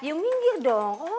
you minggir dong